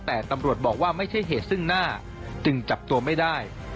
แต่ตำรวจบอกว่าไม่ใช่เหตุซึ่งหน้าจึงจับตัวไม่ได้